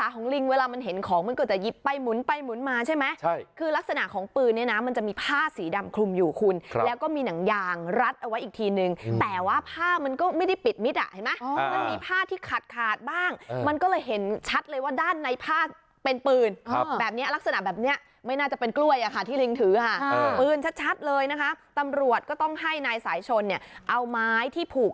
ของปืนนี้นะมันจะมีผ้าสีดำคลุมอยู่คุณแล้วก็มีหนังยางรัดเอาไว้อีกทีนึงแต่ว่าผ้ามันก็ไม่ได้ปิดมิดอ่ะเห็นมั้ยมันมีผ้าที่ขาดบ้างมันก็เลยเห็นชัดเลยว่าด้านในผ้าเป็นปืนแบบนี้ลักษณะแบบนี้ไม่น่าจะเป็นกล้วยอ่ะค่ะที่ลิงถือค่ะปืนชัดเลยนะคะตำรวจก็ต้องให้นายสายชนเนี่ยเอาไม้ที่ผูก